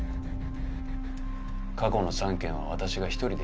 過去の３件は私が一人でやった。